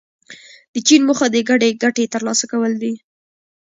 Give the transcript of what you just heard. د چین موخه د ګډې ګټې ترلاسه کول دي.